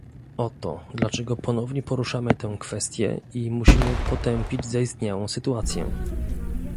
Oto dlaczego ponownie poruszamy tę kwestie i musimy potępić zaistniałą sytuację